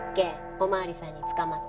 お巡りさんに捕まって。